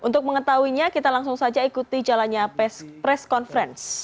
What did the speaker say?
untuk mengetahuinya kita langsung saja ikuti jalannya press conference